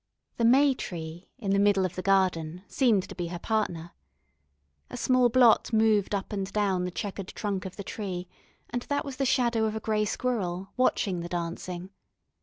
The may tree in the middle of the garden seemed to be her partner. A small blot moved up and down the chequered trunk of the tree, and that was the shadow of a grey squirrel, watching the dancing.